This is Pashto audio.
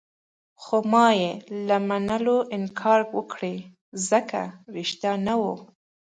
خو ما يې له منلو انکار وکړ، ځکه ريښتیا نه وو.